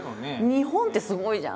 日本ってすごいじゃんって。